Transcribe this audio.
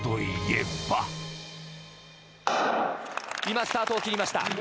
今スタートを切りました。